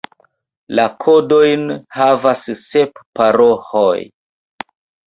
La kodojn havas sep paroĥoj.